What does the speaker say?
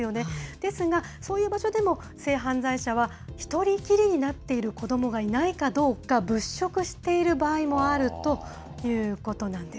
ですが、そういう場所でも、性犯罪者は１人きりになっている子どもがいないかどうか、物色している場合もあるということなんです。